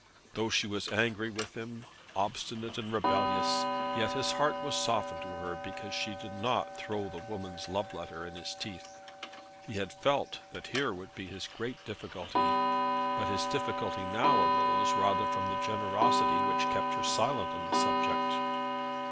Though she was angry with him, obstinate and rebellious, yet his heart was softened to her because she did not throw the woman's love letter in his teeth. He had felt that here would be his great difficulty, but his difficulty now arose rather from the generosity which kept her silent on the subject.